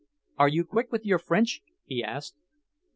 "Are you quick with your French?" he asked.